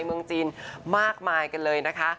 เมืองจีนมากมายกันเลยนะคะ